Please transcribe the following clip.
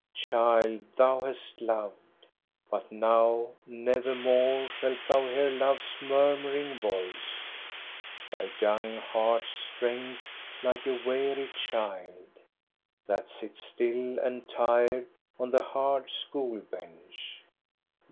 " Child, thou hast loved, but now nevermore Shalt thou hear love's murmuring voice. Thy young heart's strength, like a weary child That sits still and tired on the hard school bench.